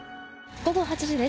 午後８時です。